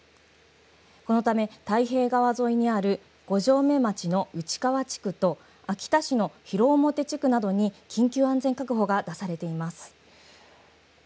このため太平川沿いにある五城目町の内川地区と秋田市の広面地区などに緊急安全確保が出されています。